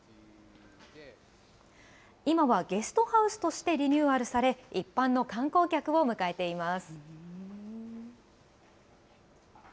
今はゲストハウスとしてリニューアルされ、一般の観光客を迎えています。